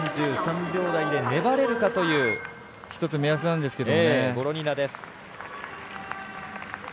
３３秒台で粘れるかというボロニナです。